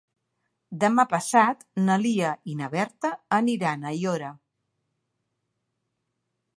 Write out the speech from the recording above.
Demà passat na Lia i na Berta aniran a Aiora.